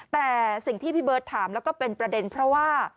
แต่สิ่งที่พี่เบิร์ตถามแล้วก็เป็นประเด็นเพราะว่า